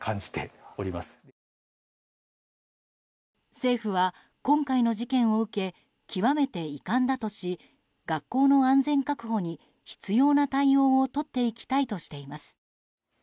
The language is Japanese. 政府は、今回の事件を受け極めて遺憾だとし学校の安全確保に、必要な対応をとっていきたいとしています。